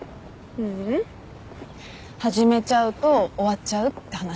ううん。始めちゃうと終わっちゃうって話。